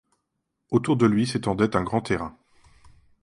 Autour de lui s'étendait un grand terrain.